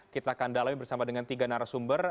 kita akan dalami bersama dengan tiga narasumber